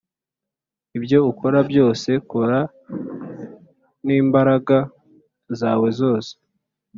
ibyo ukora byose, kora n'imbaraga zawe zose.